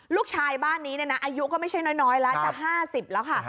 ลูกชายบ้านนี้เนี่ยนะอายุก็ไม่ใช่น้อยแล้วจะ๕๐แล้วค่ะ